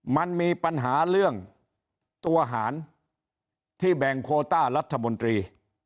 มันมีปัญหาเรื่องตัวหารที่แบ่งโคต้ารัฐมนตรี